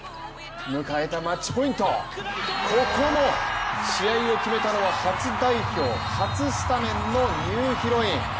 迎えたマッチポイント、ここも、試合を決めたのは初代表初スタメンのニューヒロイン。